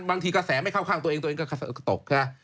บางทีกระแสไม่เข้าข้างตัวเองก็ตก